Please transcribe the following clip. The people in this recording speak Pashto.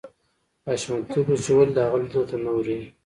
حشمتي وپوښتل چې ولې د هغه لیدو ته نه ورې